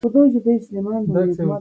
دومره ظلم مه کوه !